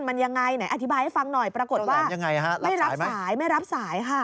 มันยังไงอธิบายให้ฟังหน่อยปรากฏว่าไม่รับสาย